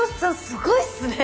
すごいっすね！